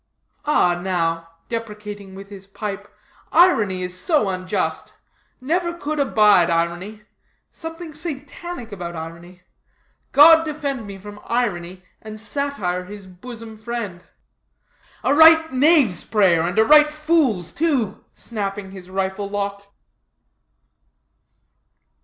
"Ah, now," deprecating with his pipe, "irony is so unjust: never could abide irony: something Satanic about irony. God defend me from Irony, and Satire, his bosom friend." "A right knave's prayer, and a right fool's, too," snapping his rifle lock.